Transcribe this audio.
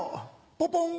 ポポン！